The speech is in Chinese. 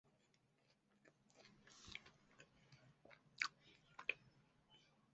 找份安稳的工作讨生活